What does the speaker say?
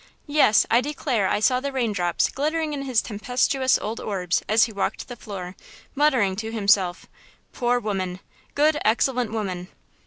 Yes, I declare I saw the raindrops glittering in his tempestuous old orbs as he walked the floor muttering to himself, 'Poor women–good, excellent woman.'"